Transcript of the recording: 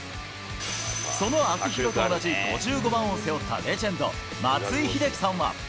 その秋広と同じ５５番を背負ったレジェンド、松井秀喜さんは。